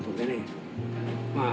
まあ